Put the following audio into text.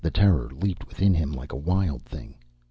Terror leaped within him like a wild thing.